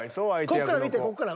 こっから見てこっから。